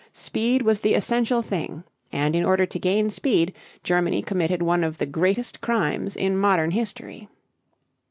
Speed was the essential thing, and in order to gain speed Germany committed one of the greatest crimes in modern history.